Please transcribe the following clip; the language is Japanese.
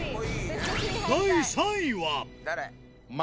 第３位は。